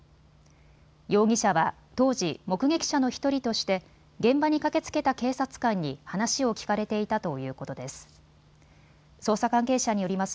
容疑者は当時、目撃者の１人として現場に駆けつけた警察官に話を聞かれていたということです。